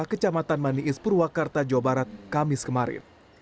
kecamatan maniis purwakarta jawa barat kamis kemarin